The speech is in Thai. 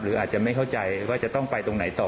อาจจะไม่เข้าใจว่าจะต้องไปตรงไหนต่อ